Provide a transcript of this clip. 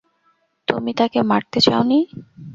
তুমি তাকে মারতে চাওনি।